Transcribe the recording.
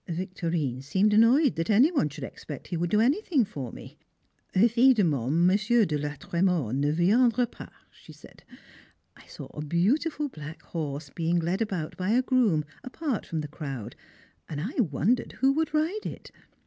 Victorine seemed annoyed that any one should expect he would do anything for me. "Evidemment Monsieur de la Trémors ne viendra pas," she said. I saw a beautiful black horse being led about by a groom, apart from the crowd, and I wondered who would ride it.